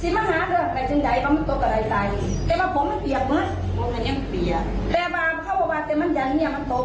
ว่าท่อมันไม่จะอยุ่มรึงอยู่หมอสาวนั่ง